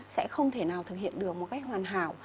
sẽ không thể nào thực hiện được một cách hoàn hảo